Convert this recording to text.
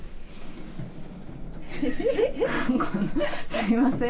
すいません